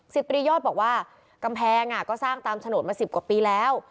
ตรียอดบอกว่ากำแพงก็สร้างตามโฉนดมาสิบกว่าปีแล้ว